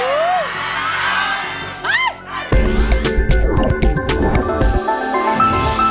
เฮ้ย